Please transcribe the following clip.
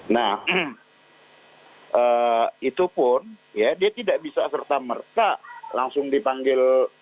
nah itu pun ya dia tidak bisa serta merta langsung dipanggil